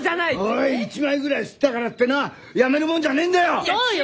おい一枚ぐらい刷ったからってな辞めるもんじゃねえんだよ！